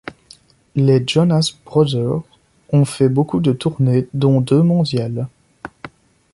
Les Jonas Brothers ont fait beaucoup de tournées, dont deux mondiales.